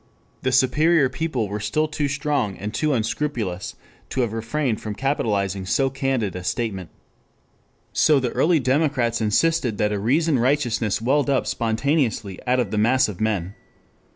The superior people were still too strong and too unscrupulous to have refrained from capitalizing so candid a statement. So the early democrats insisted that a reasoned righteousness welled up spontaneously out of the mass of men.